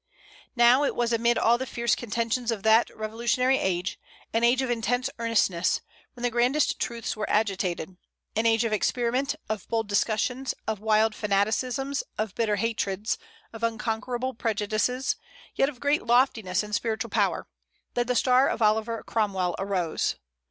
Now, it was amid all the fierce contentions of that revolutionary age, an age of intense earnestness, when the grandest truths were agitated; an age of experiment, of bold discussions, of wild fanaticisms, of bitter hatreds, of unconquerable prejudices, yet of great loftiness and spiritual power, that the star of Oliver Cromwell arose.